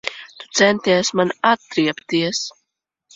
Tu centies man atriebties.